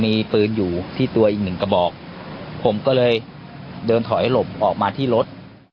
มีปืนอยู่ที่ตัวอีกหนึ่งกระบอกผมก็เลยเดินถอยหลบออกมาที่รถ